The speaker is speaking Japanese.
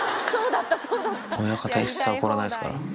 親方、一切怒らないですから。